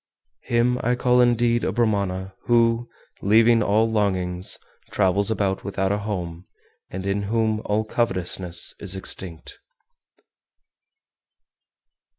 416. Him I call indeed a Brahmana who, leaving all longings, travels about without a home, and in whom all covetousness is extinct.